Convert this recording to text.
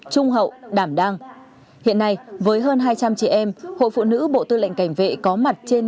trung hậu đảm đang hiện nay với hơn hai trăm linh chị em hội phụ nữ bộ tư lệnh cảnh vệ có mặt trên